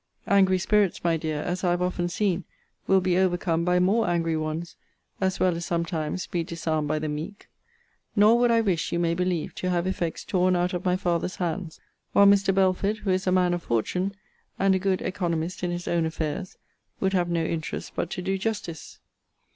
[Angry spirits, my dear, as I have often seen, will be overcome by more angry ones, as well as sometimes be disarmed by the meek.] Nor would I wish, you may believe, to have effects torn out of my father's hands: while Mr. Belford, who is a man of fortune, (and a good economist in his own affairs) would have no interest but to do justice.